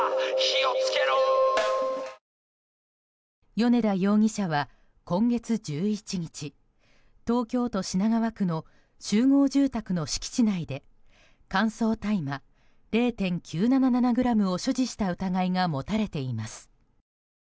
米田容疑者は今月１１日東京都品川区の集合住宅の敷地内で乾燥大麻０．９７７ｇを所持した疑いが持たれています。